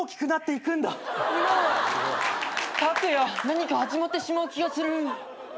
何か始まってしまう気がする。